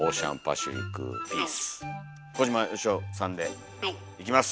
もう小島よしおさんでいきます！